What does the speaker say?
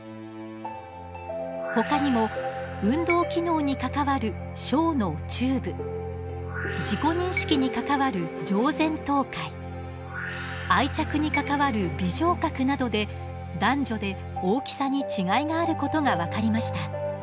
ほかにも運動機能に関わる小脳虫部自己認識に関わる上前頭回愛着に関わる尾状核などで男女で大きさに違いがあることが分かりました。